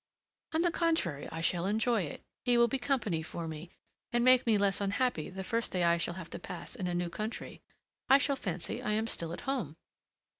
"On the contrary, I shall enjoy it; he will be company for me, and make me less unhappy the first day I shall have to pass in a new country. I shall fancy I am still at home."